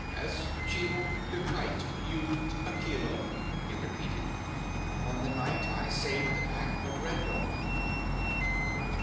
"As Chil the Kite used Akela," he repeated, "on the night I saved the Pack from Red Dog."